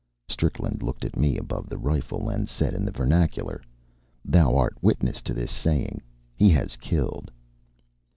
Strickland looked at me above the rifle, and said, in the vernacular: "Thou art witness to this saying. He has killed."